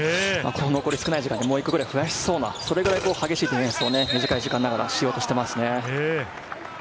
残り少ない時間でもう一個ぐらい増やしそうな、激しいディフェンスを短い時間の中でしようとしていますね。